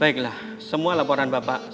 baiklah semua laporan bapak sudah dikirimkan